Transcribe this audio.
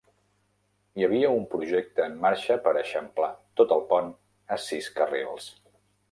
Hi havia un projecte en marxa per eixamplar tot el pont a sis carrils.